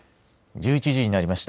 １１時になりました。